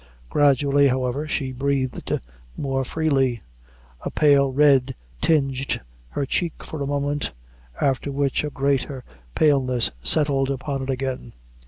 Gradually, however, she breathed more freely; a pale red tinged her cheek for a moment, after which, a greater paleness settled upon it again.